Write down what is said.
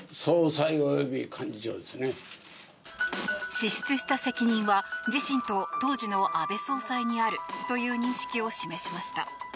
支出した責任は、自身と当時の安倍総裁にあるという認識を示しました。